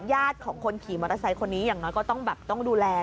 ญาติของคนขี่มอเตอร์ไซค์คนนี้อย่างน้อยก็ต้องแบบต้องดูแล